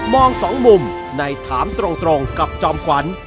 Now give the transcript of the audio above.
สองมุมในถามตรงกับจอมขวัญ